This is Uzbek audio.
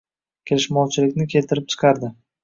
Kelishmovchilikni keltirib chiqardi.